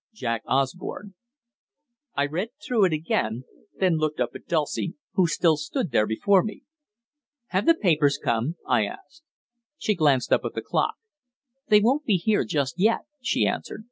"JACK OSBORNE." I read it through again, then looked up at Dulcie, who still stood there before me. "Have the papers come?" I asked. She glanced up at the clock. "They won't be here just yet," she answered.